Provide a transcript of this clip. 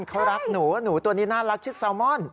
เขารักหนูหนูตัวนี้น่ารักเช่นซาลมอน